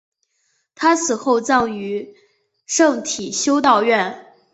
她死后葬于圣体修道院。